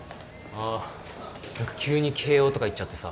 あ何か急に慶應とか言っちゃってさ